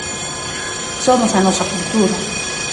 Somos a nosa cultura.